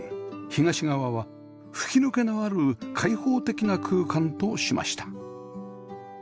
東側は吹き抜けのある開放的な空間としました